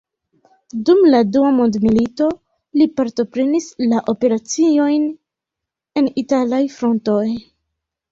Dum la Dua mondmilito li partoprenis la operaciojn en italaj frontoj.